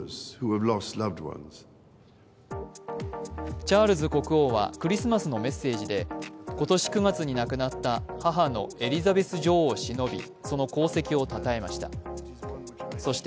チャールズ国王はクリスマスのメッセージで今年９月に亡くなった母のエリザベス女王をしのび、その功績をたたえました。